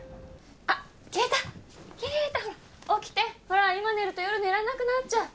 ほら今寝ると夜寝られなくなっちゃう。